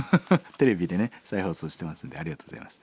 テレビでね再放送してますんでありがとうございます。